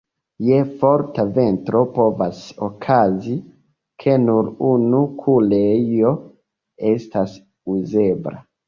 Je forta vento povas okazi, ke nur unu kurejo estas uzebla.